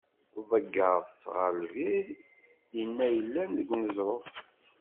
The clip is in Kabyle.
Ḍeggert-tt ɣer lbir inna yellan deg uneẓruf.